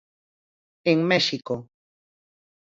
En México.